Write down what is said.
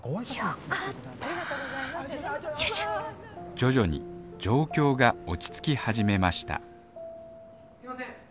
徐々に状況が落ち着き始めましたすいません！